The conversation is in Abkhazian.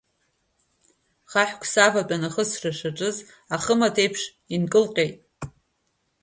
Хаҳәык саватәаны ахысра сшаҿыз ахы-маҭ еиԥш инкылҟьеит.